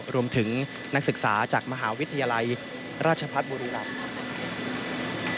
รวมถึงนักศึกษาจากมหาวิทยาลัยราชพัฒน์บุรีรำ